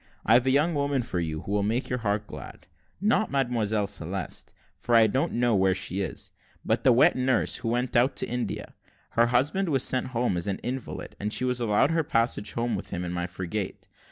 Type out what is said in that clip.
I've got a young woman for you, who will make your heart glad not Mademoiselle Celeste, for I don't know where she is but the wet nurse who went out to India. Her husband was sent home as an invalid, and she was allowed her passage home with him in my frigate.